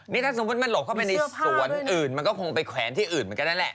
นี่ถ้าสมมุติมันหลบเข้าไปในสวนอื่นมันก็คงไปแขวนที่อื่นเหมือนกันนั่นแหละ